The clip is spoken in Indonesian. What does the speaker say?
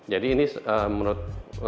jadi ini menurut